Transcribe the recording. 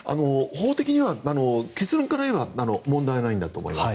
法的には結論から言えば問題ないんだと思います。